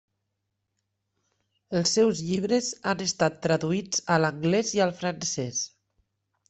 Els seus llibres han estat traduïts a l'anglès i al francès.